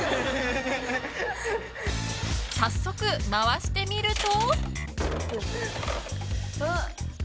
早速、回してみると。